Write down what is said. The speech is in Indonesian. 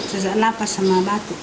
sejak nafas sama batu